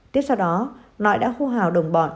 tiếp sau đó nội đã hô hào đồng bọn